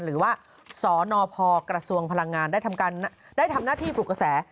หรือว่าสนพกระทรวงพลังงานได้ทำหน้าที่ปลุกกระแส